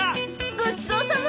ごちそうさま！